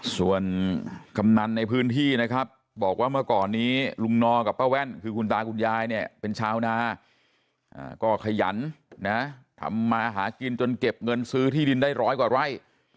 ส่วนกำนันในพื้นที่นะครับบอกว่าเมื่อก่อนนี้ลุงนอกับป้าแว่นคือคุณตาคุณยายเนี่ยเป็นชาวนาก็ขยันนะทำมาหากินจนเก็บเงินซื้อที่ดินได้ร้อยกว่าไร่